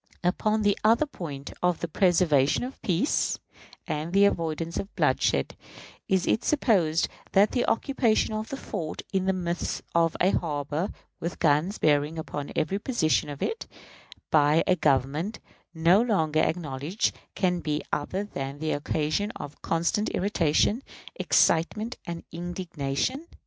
Upon the other point of the preservation of the peace, and the avoidance of bloodshed is it supposed that the occupation of a fort in the midst of a harbor, with guns bearing upon every position of it, by a Government no longer acknowledged, can be other than the occasion of constant irritation, excitement, and indignation?